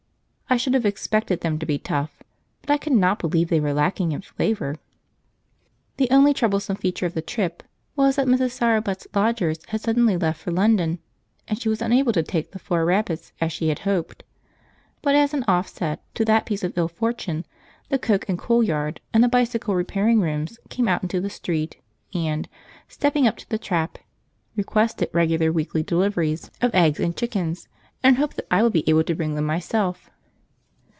I should have expected them to be tough, but I cannot believe they were lacking in flavour. The only troublesome feature of the trip was that Mrs. Sowerbutt's lodgers had suddenly left for London and she was unable to take the four rabbits as she had hoped; but as an offset to that piece of ill fortune the Coke and Coal Yard and the Bicycle Repairing Rooms came out into the street, and, stepping up to the trap, requested regular weekly deliveries of eggs and chickens, and hoped that I would be able to bring them myself.